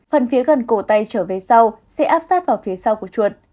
phần phía gần cổ tay trở về sau sẽ áp sát vào phía sau của chuột